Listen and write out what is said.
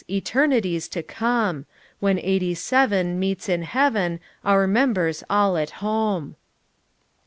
Eternities to come! When Eighty seven meets in heaven, Our members all at home."